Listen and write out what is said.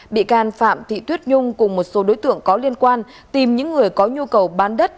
bị can phạm thị tuyết nhung cùng một số đối tượng có liên quan tìm những người có nhu cầu bán đất